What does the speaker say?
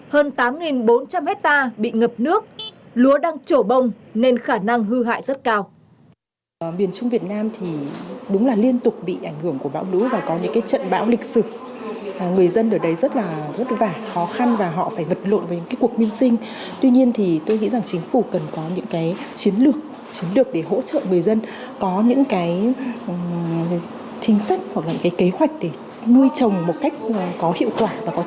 hơn tám bốn trăm linh hecta bị ngập nước lúa đang trổ bông nên khả năng hư hại rất cao